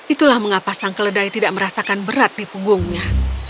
itulah mengapa sang keledai tidak merasakan berat di punggungnya